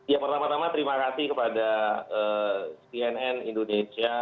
ya pertama tama terima kasih kepada cnn indonesia